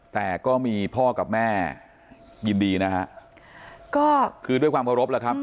แต่ก็มีพ่อกับแม่ยินดีนะฮะก็คือด้วยความเคารพแล้วครับ